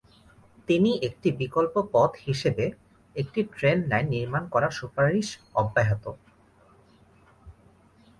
তিনি একটি বিকল্প পথ হিসাবে একটি ট্রেন লাইন নির্মাণ করা সুপারিশ অব্যাহত।